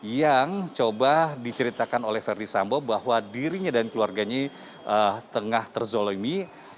yang coba diceritakan oleh verdi sambo bahwa dirinya dan keluarganya tengah terzolimi